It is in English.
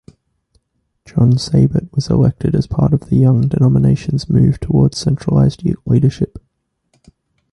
John Seybert was elected as part of the young denomination's move towards centralized leadership.